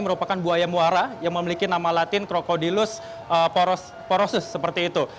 merupakan buaya muara yang memiliki nama latin crocodilus porosus seperti itu